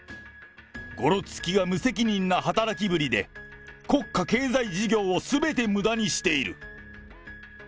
ごろつきが無責任な働きぶりで、国家経済事業をすべてむだにしている。